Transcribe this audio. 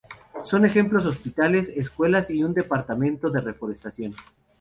Son ejemplos hospitales, escuelas y un departamento de reforestación.